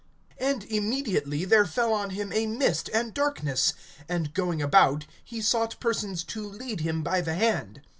And immediately there fell on him a mist and darkness; and going about, he sought persons to lead him by the hand.